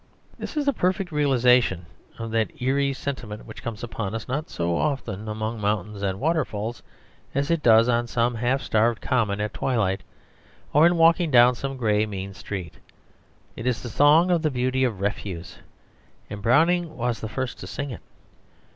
This is a perfect realisation of that eerie sentiment which comes upon us, not so often among mountains and water falls, as it does on some half starved common at twilight, or in walking down some grey mean street. It is the song of the beauty of refuse; and Browning was the first to sing it.